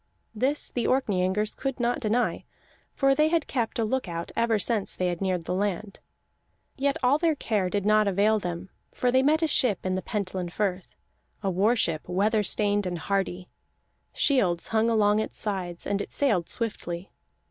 This the Orkneyingers could not deny, for they had kept a look out ever since they had neared the land. Yet all their care did not avail them, for they met a ship in the Pentland Firth, a war ship, weather stained and hardy; shields hung along its sides, and it sailed swiftly.